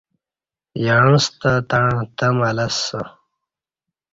یعں ستہ تݩع تمہ لسہ